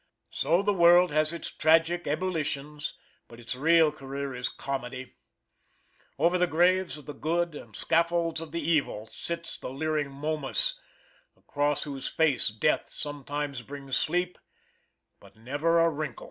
So the world has its tragic ebullitions; but its real career is comedy. Over the graves of the good and the scaffolds of the evil, sits the leering Momus across whose face death sometimes brings sleep, but never a wrinkle.